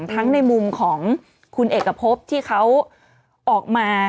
ในมุมของคุณเอกพบที่เขาออกมา